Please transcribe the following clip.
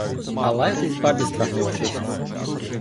А лаятись бабі страх як хочеться!